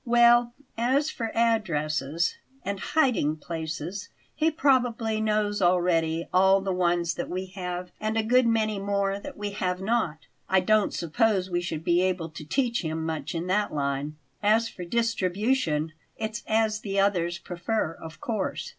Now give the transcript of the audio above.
"Well, as for addresses and hiding places, he probably knows already all the ones that we have and a good many more that we have not. I don't suppose we should be able to teach him much in that line. As for distribution, it's as the others prefer, of course.